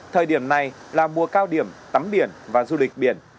thời điểm này là mùa cao điểm tắm biển và du lịch biển